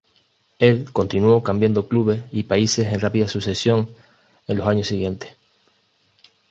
Él continuó cambiando clubes y países en rápida sucesión en los años siguientes.